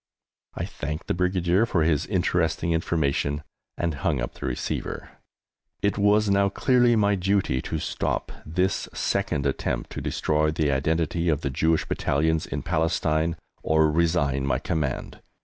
I thanked the Brigadier for his interesting information and hung up the receiver. It was now clearly my duty to stop this second attempt to destroy the identity of the Jewish Battalions in Palestine or resign my command.